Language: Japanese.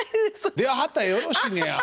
出はったらよろしいねや。